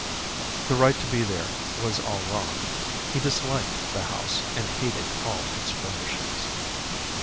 The right to be there was all wrong. He disliked the house and hated all its furnishings.